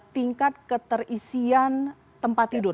tingkat keterisian tempat tidur